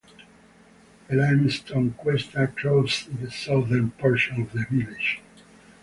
A limestone cuesta crosses the southern portion of the village.